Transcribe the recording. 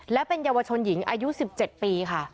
และเป็นเยาวชนหญิงอายุ๑๗ปีค่ะ